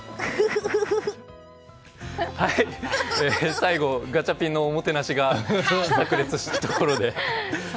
最後ガチャピンのおもてなしが炸裂したところで。